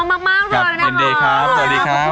สวัสดีครับสวัสดีครับ